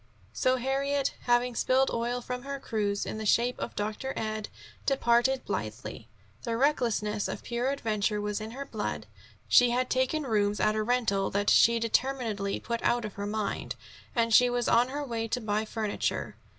So Harriet, having spilled oil from her cruse in the shape of Dr. Ed, departed blithely. The recklessness of pure adventure was in her blood. She had taken rooms at a rental that she determinedly put out of her mind, and she was on her way to buy furniture.